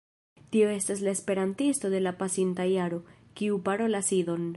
Tio estas la Esperantisto de la pasinta jaro, kiu parolas Idon